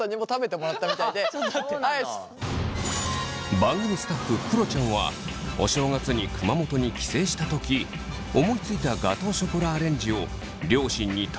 番組スタッフくろちゃんはお正月に熊本に帰省した時思いついたガトーショコラアレンジを両親に食べてもらいました。